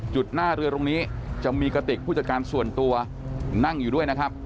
หน้าเรือตรงนี้จะมีกระติกผู้จัดการส่วนตัวนั่งอยู่ด้วยนะครับ